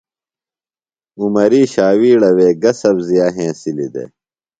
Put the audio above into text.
عمری شاویڑہ وے گہ سبزیہ ہینسِلی دےۡ؟